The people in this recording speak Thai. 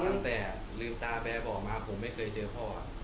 ตั้งแต่ลืมตาไปบอกมาผมไม่เคยเจอพ่อ